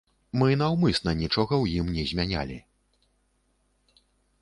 Мы наўмысна нічога ў ім не змянялі.